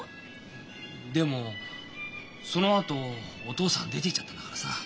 でもそのあとお父さん出ていっちゃったんだからさあ。